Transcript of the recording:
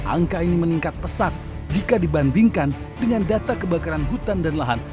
angka ini meningkat pesat jika dibandingkan dapat kebakaran di hutan dan lahan